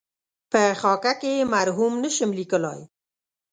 په خاکه کې یې مرحوم نشم لېکلای.